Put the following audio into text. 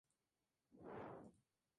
Su hermana fue la fotógrafa Diane Arbus.